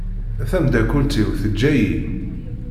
Tamdakelt-iw teǧǧa-yi.